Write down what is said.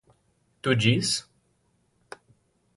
Tu diz?